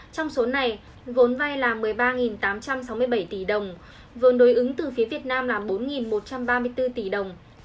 trong số này vốn vay là một mươi ba tám trăm sáu mươi bảy tỷ đồng vốn đối ứng từ phía việt nam là bốn một trăm ba mươi bốn tỷ đồng